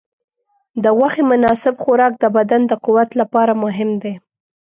د غوښې مناسب خوراک د بدن د قوت لپاره مهم دی.